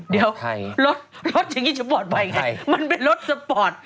เดี๋ยวรถรถอย่างนี้จะปลอดภัยไงมันเป็นรถสปอร์ต